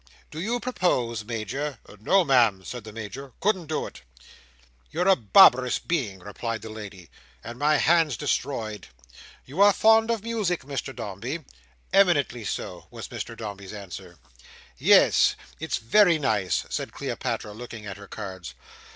Do you propose, Major?" "No, Ma'am," said the Major. "Couldn't do it." "You're a barbarous being," replied the lady, "and my hand's destroyed. You are fond of music, Mr Dombey?" "Eminently so," was Mr Dombey's answer. "Yes. It's very nice," said Cleopatra, looking at her cards.